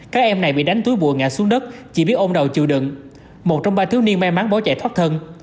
các em này bị đánh túi bùa ngã xuống đất chỉ biết ôm đầu chịu đựng một trong ba thiếu niên may mắn bỏ chạy thoát thân